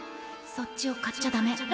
・そっちを買っちゃダメ！